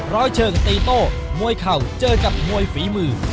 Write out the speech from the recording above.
ร้อยเชิงตีโต้มวยเข่าเจอกับมวยฝีมือ